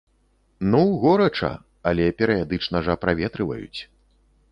Ну, горача, але перыядычна жа праветрываюць.